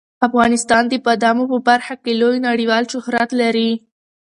افغانستان د بادامو په برخه کې لوی نړیوال شهرت لري.